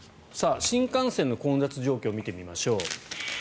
新幹線の混雑状況を見てみましょう。